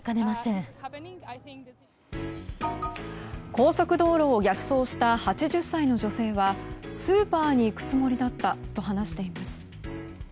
高速道路を逆走した８０歳の女性はスーパーに行くつもりだったと話しています。